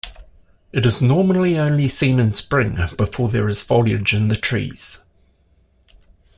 It is normally only seen in spring before there is foliage in the trees.